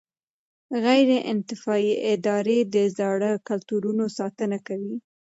غیر انتفاعي ادارې د زاړه کلتورونو ساتنه کوي.